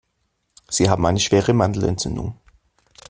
Sie haben eine schwere Mandelentzündung.